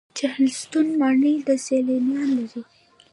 چهلستون ماڼۍ سیلانیان لري